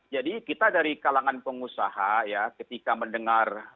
jadi kita dari kalangan pengusaha ya ketika mendengar